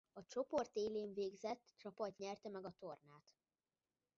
A csoport élén végzett csapat nyerte meg a tornát.